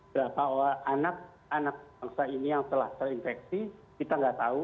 berapa anak anak bangsa ini yang telah terinfeksi kita nggak tahu